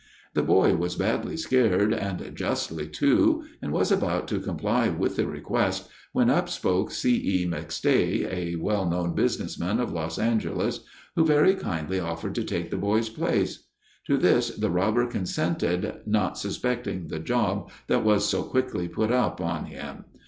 The boy was badly scared, and justly, too, and was about to comply with the request, when up spoke C. E. McStay, a well known business man of Los Angeles, who very kindly offered to take the boy's place. To this the robber consented, not suspecting the "job" that was so quickly put up on him.